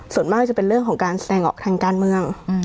ส่วนมากจะเป็นเรื่องของการแสดงออกทางการเมือง